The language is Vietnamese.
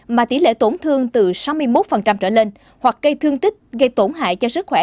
mà tỷ lệ tổn thương từ sáu mươi một trở lên hoặc gây thương tích gây tổn hại cho sức khỏe